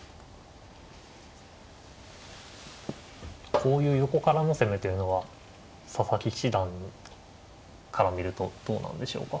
こういう横からの攻めというのは佐々木七段から見るとどうなんでしょうか。